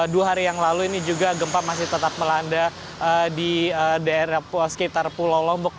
dua hari yang lalu ini juga gempa masih tetap melanda di daerah sekitar pulau lombok